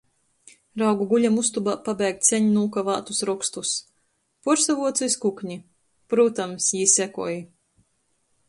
Raugu guļamustobā pabeigt seņ nūkaveitus rokstus. Puorsavuocu iz kukni. Prūtams, jī sekoj.